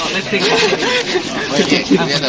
ขอบคุณมากขอบคุณค่ะ